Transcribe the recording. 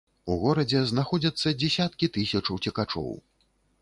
У горадзе знаходзяцца дзесяткі тысяч уцекачоў.